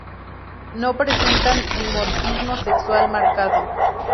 No presentan dimorfismo sexual marcado.